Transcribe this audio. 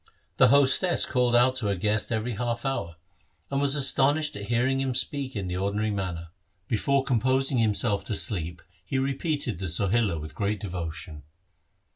The hostess called out to her guest every half hour, and was astonished at hearing him speak in the ordinary manner. Before composing himself to sleep he repeated the Sohila with great devotion.